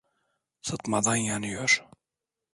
Sıtmadan yanıyor…